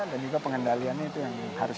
dan juga pengendaliannya itu yang harus